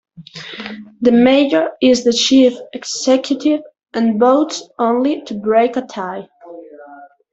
The mayor is the chief executive and votes only to break a tie.